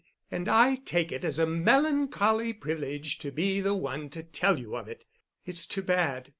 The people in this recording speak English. And I take it as a melancholy privilege to be the one to tell you of it. It's too bad.